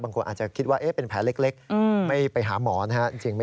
บางคนอาจจะคิดว่าเป็นแผลเล็กไม่ไปหาหมอนะครับ